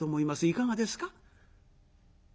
いかがですか？